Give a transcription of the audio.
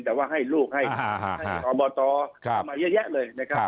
แต่ว่าให้ลูกให้อบตเข้ามาเยอะแยะเลยนะครับ